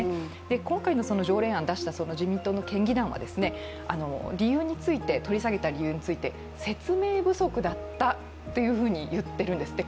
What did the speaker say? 今回の条例案を出した自民党の県議団は取り下げた理由について説明不足だったというふうに言っているんですって。